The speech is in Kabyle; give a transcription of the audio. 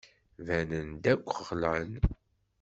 Banen-d akk xelɛen.